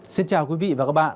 xin chào quý vị và các bạn